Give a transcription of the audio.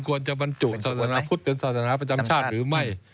บรรจุศาสนาพุทธเป็นศาสนาประจำชาติหรือไม่